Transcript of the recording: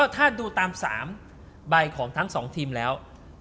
ถ้าดูตาม๓ใบของทั้ง๒ทีมแล้ว